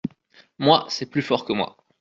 Moi, c’est plus fort que moi…